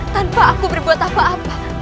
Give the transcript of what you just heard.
tanpa aku berbuat apa apa